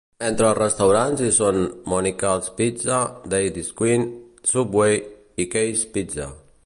Entre els restaurants hi són Monical's Pizza, Dairy Queen, Subway i Casey's Pizza.